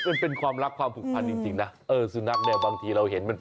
เห้ยเป็นความรักความผูกพันธ์จริงนะรู้มั้ยบางทีเราเห็นมันเป็นเพื่อนกัน